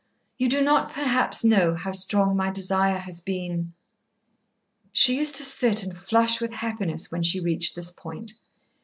You do not perhaps know how strong my desire has been " She used to sit and flush with happiness when she reached this point.